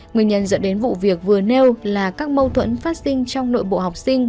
nguyên nhân dẫn đến vụ việc vừa nêu là các mâu thuẫn phát sinh trong nội bộ học sinh